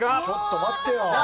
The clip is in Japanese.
ちょっと待ってよ。